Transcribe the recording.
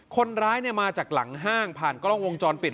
คนร้ายมาจากหลังห้างผ่านกล้องวงจรปิด